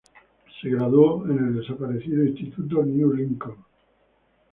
Se graduó en el desaparecido Instituto New Lincoln.